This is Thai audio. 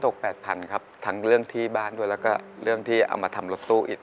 แปดพันครับทั้งเรื่องที่บ้านด้วยแล้วก็เรื่องที่เอามาทำรถตู้อีก